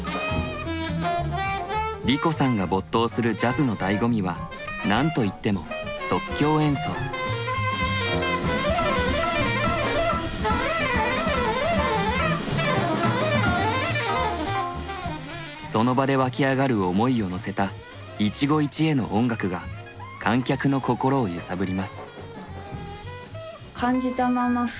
梨子さんが没頭するジャズのだいご味は何といってもその場で湧き上がる思いをのせた一期一会の音楽が観客の心を揺さぶります。